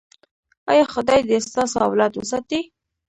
ایا خدای دې ستاسو اولاد وساتي؟